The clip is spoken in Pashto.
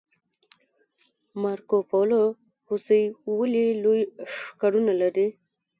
مارکوپولو هوسۍ ولې لوی ښکرونه لري؟